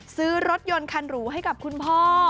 ซื้อรถยนต์คันหรูให้กับคุณพ่อ